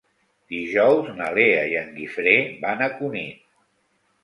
Dijous na Lea i en Guifré van a Cunit.